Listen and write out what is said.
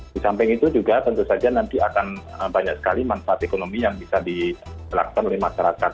di samping itu juga tentu saja nanti akan banyak sekali manfaat ekonomi yang bisa dilakukan oleh masyarakat